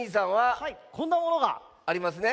こんなものが。ありますね。